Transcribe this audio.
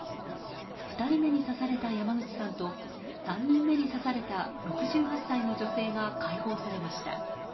２人目に刺された山口さんと３人目に刺された６８歳の女性が解放されました。